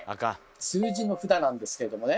数字の札なんですけれどもね